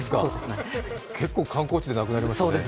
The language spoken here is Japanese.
結構、観光地でなくなりましたね。